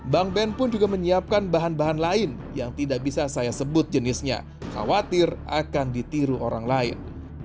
bank ben pun juga menyiapkan bahan bahan lain yang tidak bisa saya sebut jenisnya khawatir akan ditiru orang lain